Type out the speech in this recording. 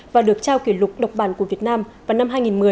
và được trao kỷ lục độc bản của việt nam vào năm hai nghìn một mươi